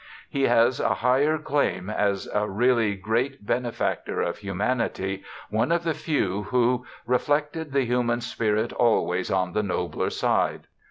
He has a higher claim as a really great benefactor of humanity, one of the few who 'reflected the human spirit always on the nobler side.'